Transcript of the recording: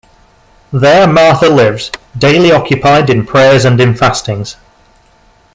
There Martha lived, daily occupied in prayers and in fastings.